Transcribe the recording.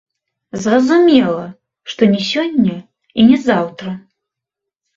Зразумела, што не сёння і не заўтра.